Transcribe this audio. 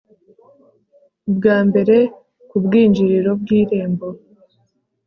Ubwa mbere ku bwinjiriro bwirembo